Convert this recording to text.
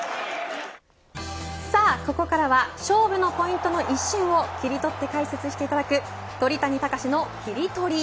ここからは勝負のポイントの一瞬を切り取って解説していただく鳥谷敬のキリトリ。